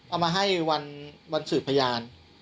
เอามาให้วันสืบพยาน